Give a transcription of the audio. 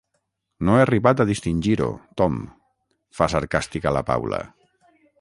No he arribat a distingir-ho, Tom –fa sarcàstica la Paula–.